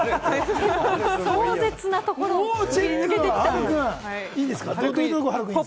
壮絶なところをくぐり抜けてきた。